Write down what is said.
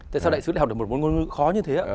tại sao đại sứ lại học được một ngôn ngữ khó như thế ạ